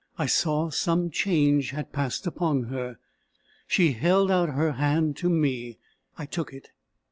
I saw some change had passed upon her. She held out her hand to me. I took it.